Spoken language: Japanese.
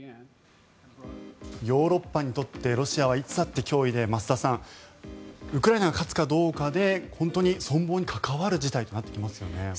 ヨーロッパにとってロシアはいつだって脅威で増田さんウクライナが勝つかどうかで本当に存亡に関わる事態となってきますよね。